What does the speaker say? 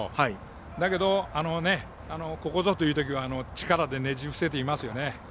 だけど、ここぞというときは力でねじ伏せていますよね。